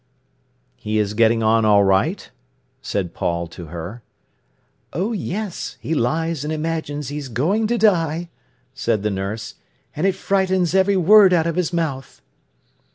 "He is getting on all right?" said Paul to her. "Oh yes! He lies and imagines he's going to die," said the nurse, "and it frightens every word out of his mouth."